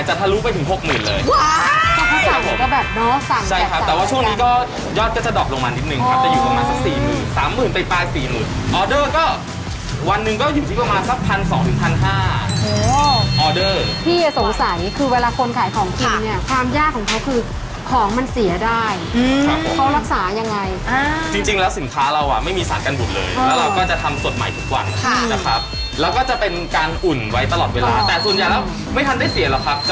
อยากรู้ไหมเมนูไหนขายดีสุดอ๋ออยากรู้ไหมเมนูไหนขายดีสุดอ๋ออยากรู้ไหมเมนูไหนขายดีสุดอ๋ออยากรู้ไหมเมนูไหนขายดีสุดอ๋ออยากรู้ไหมเมนูไหนขายดีสุดอ๋ออยากรู้ไหมเมนูไหนขายดีสุดอ๋ออยากรู้ไหมเมนูไหนขายดีสุดอ๋ออยากรู้ไหมเมนูไหนขายดีสุดอ๋ออยากรู้ไหมเมนูไหนขายดีสุดอ๋ออยากรู้ไ